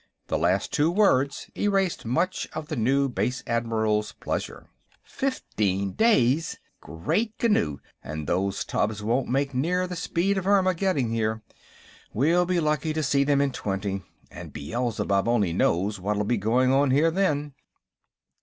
The last two words erased much of the new base admiral's pleasure. "Fifteen days, great Ghu! And those tubs won't make near the speed of Irma, getting here. We'll be lucky to see them in twenty. And Beelzebub only knows what'll be going on here then."